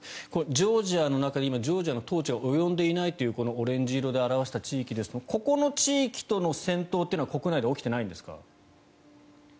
ジョージアの中にジョージアの統治が及んでいないというこのオレンジ色で表している地域ですがここの地域との戦闘っていうのは国内で起きていないんですか？